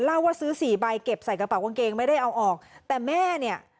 เล่าว่าซื้อสี่ใบเก็บใส่กระเป๋ากางเกงไม่ได้เอาออกแต่แม่เนี่ย